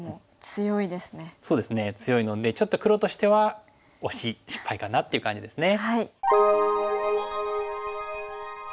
そうですね強いのでちょっと黒としては惜しい失敗かなっていう感じですね。